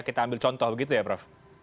kita ambil contoh begitu ya prof